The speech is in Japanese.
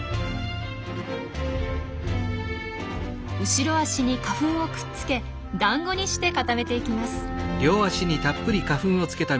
後ろ足に花粉をくっつけだんごにして固めていきます。